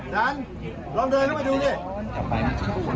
ดันลองเดินเข้าไปดูดิ